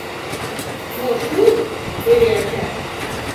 — Мо шуын? — ӧрӧ ача.